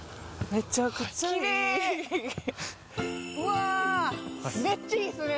めっちゃいいっすね